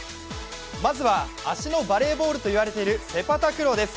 まずは、足のバレーボールといわれているセパタクローです。